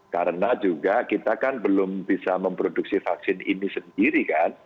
karena juga kita kan belum bisa memproduksi vaksin ini sendiri kan